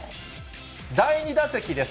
第２打席です。